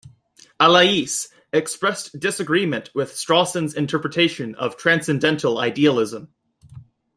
Allais expressed disagreement with Strawson's interpretation of transcendental idealism.